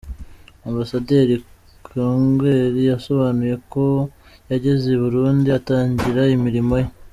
Ambassadeur Krugeur yasobanuye uko yageze i Burundi atangira imirimo ye.